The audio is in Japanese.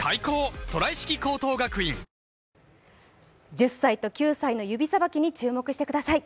１０歳と９歳の指さばきに注目してください。